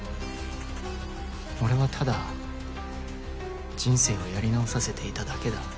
俺はただ人生をやり直させていただけだ。